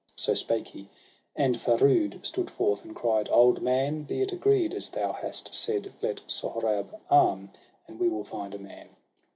So spake he; and Ferood stood forth and cried :—' Old man, be it agreed as thou hast said ! Let Sohrab arm, and we will find a man.'